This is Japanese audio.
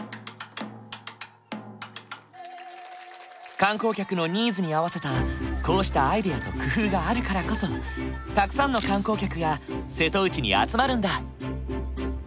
観光客のニーズに合わせたこうしたアイデアと工夫があるからこそたくさんの観光客が瀬戸内に集まるんだ。